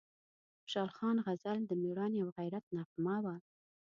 د خوشحال خان غزل د میړانې او غیرت نغمه وه،